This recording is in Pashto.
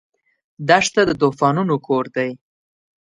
دښته د طوفانونو کور دی.